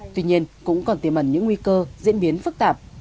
tuy nhiên cũng còn tiềm ẩn những nguy cơ diễn biến phức tạp